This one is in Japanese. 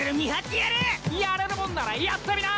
やれるもんならやってみな！